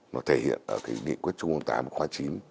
nó thể hiện ở cái nghị quyết chung công tám khóa chín